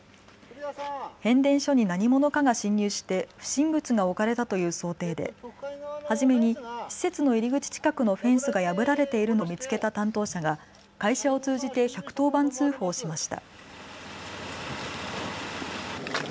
変電所に何者かが侵入して不審物が置かれたという想定で初めに施設の入り口近くのフェンスが破られているのを見つけた担当者が会社を通じて１１０番通報しました。